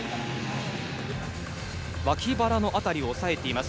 脇腹の辺りを押さえています。